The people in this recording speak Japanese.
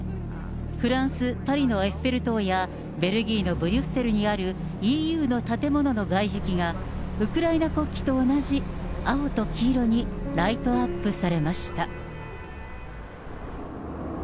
フランス・パリのエッフェル塔や、ベルギーのブリュッセルにあるＥＵの建物の外壁が、ウクライナ国旗と同じ青と黄色にライトアップされました。